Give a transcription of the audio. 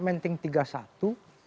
menting tiga satu